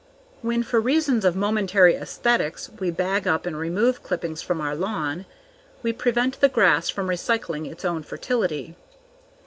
When, for reasons of momentary aesthetics, we bag up and remove clippings from our lawn, we prevent the grass from recycling its own fertility.